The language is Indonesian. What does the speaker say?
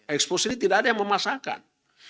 expose ini tidak ada yang memasangkan